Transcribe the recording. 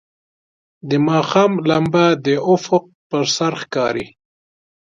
د ماښام لمبه د افق پر سر ښکاري.